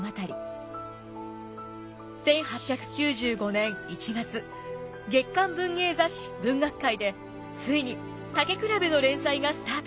１８９５年１月月刊文芸雑誌「文学界」でついに「たけくらべ」の連載がスタートします。